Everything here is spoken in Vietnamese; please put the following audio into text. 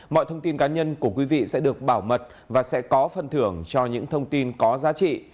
mọi thông tin cá nhân của quý vị sẽ được bảo mật và sẽ có phần thưởng cho những thông tin có giá trị